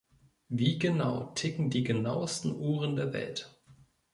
Wie genau ticken die genauesten Uhren der Welt?